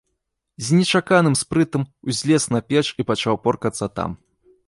З нечаканым спрытам узлез на печ і пачаў поркацца там.